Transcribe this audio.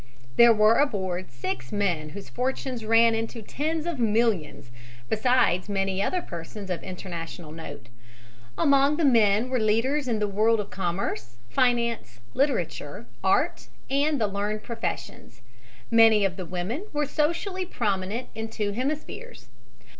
There were aboard six men whose fortunes ran into tens of millions, besides many other persons of international note. Among the men were leaders in the world of commerce, finance, literature, art and the learned professions. Many of the women were socially prominent in two hemispheres.